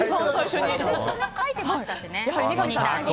書いてましたしね。